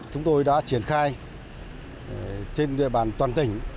chúng tôi đã triển khai trên địa bàn toàn tỉnh